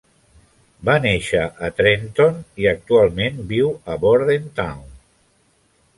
Va néixer a Trenton i actualment viu a Bordentown.